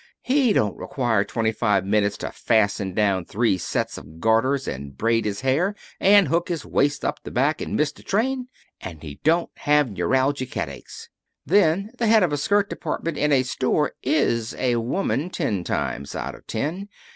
he don't require twenty five minutes to fasten down three sets of garters, and braid his hair, and hook his waist up the back, and miss his train. And he don't have neuralgic headaches. Then, the head of a skirt department in a store is a woman, ten times out of ten.